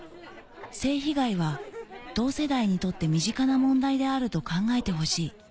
「性被害は同世代にとって身近な問題であると考えてほしい」